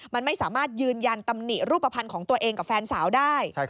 มันไม่สามารถยืนยันตำหนิรูปภัณฑ์ของตัวเองกับแฟนสาวได้